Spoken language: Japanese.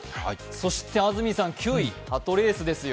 そして安住さん、９位、鳩レースですよ。